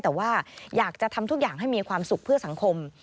แต่ว่าอยากจะทำทุกอย่างให้มีความสุขเพื่อสังคม